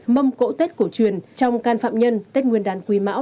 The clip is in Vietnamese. mâm cổ tết cổ truyền trong can phạm nhân tết nguyên đán quý mão hai nghìn hai mươi ba